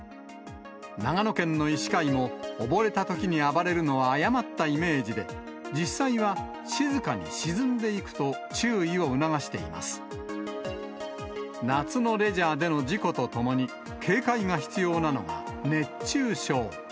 長野県の医師会も、溺れたときに暴れるのは誤ったイメージで、実際は静かに沈んでいくと、注意を促しています。夏のレジャーでの事故とともに、警戒が必要なのが、熱中症。